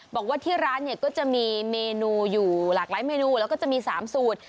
บอกว่าที่ร้านเนี่ยก็จะมีเมนูอยู่หลากหลายเมนูแล้วก็จะมี๓สูตร